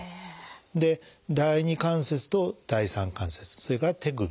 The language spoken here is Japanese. で第二関節と第三関節それから手首。